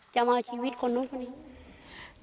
จะเอาชีวิตคนโน่น